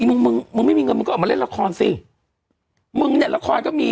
มึงมึงไม่มีเงินมึงก็ออกมาเล่นละครสิมึงเนี่ยละครก็มี